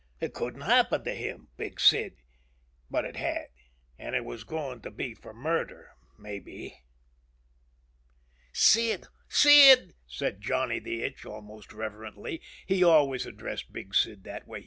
It couldn't happen to him, Big Sid. But it had. And it was going to be for murder, maybe. "Sid ... Sid," said Johnny the Itch almost reverently. He always addressed Big Sid that way.